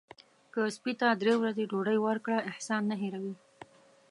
که سپي ته درې ورځې ډوډۍ ورکړه احسان نه هیروي.